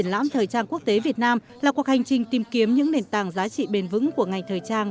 là cuộc hành trình tìm kiếm những nền tảng giá trị bền vững của ngành thời trang